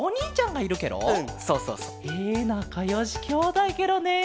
えなかよしきょうだいケロね。